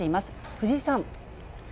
藤井さん。